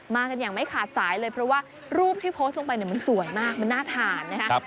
กันอย่างไม่ขาดสายเลยเพราะว่ารูปที่โพสต์ลงไปเนี่ยมันสวยมากมันน่าทานนะครับ